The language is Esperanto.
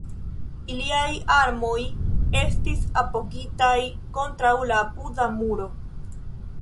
Iliaj armoj estis apogitaj kontraŭ la apuda muro.